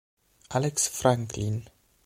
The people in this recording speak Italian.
Alex Franklin